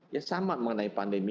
ya sama mengenai pandemi